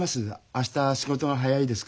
明日仕事が早いですから。